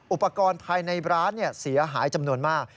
อุปกรณ์ภายในร้านเสียหายจำนวนมาก